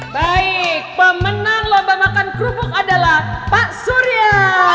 baik pemenang lomba makan kerupuk adalah pak surya